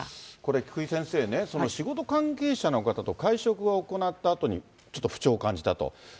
菊井先生ね、その仕事関係者の方と会食を行ったあとに、ちょっと不調を感じたと。